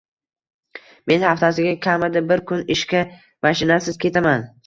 Men haftasiga kamida bir kun ishga mashinasiz ketaman